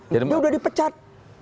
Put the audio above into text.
dia sudah dipecat